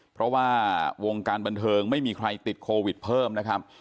เพราะว่าวงการบันเทิงไม่มีใครติดโควิดเพิ่มนะครับ